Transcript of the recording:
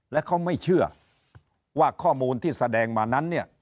และเขาไม่เชื่อว่าข้อมูลที่แสดงมานั้นเนี่ย